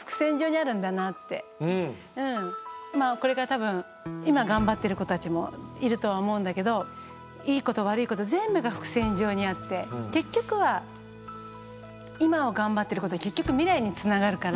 でもやっぱりこれから多分今頑張ってる子たちもいるとは思うんだけどいいこと悪いこと全部が伏線上にあって結局は今を頑張ってることは結局未来につながるから。